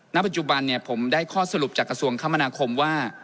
ณปัจจุบันผมได้ข้อสรุปจากกระทรวงคมนาคมว่า